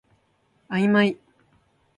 あいまい